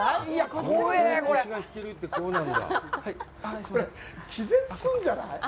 これ気絶するんじゃない？